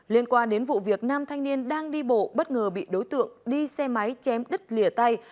liên quan đến vụ việc năm thanh niên đang đi bộ bất ngờ bị đối tượng đi xe máy chém đứt lìa tay